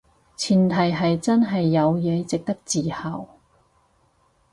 前提係真係有嘢值得自豪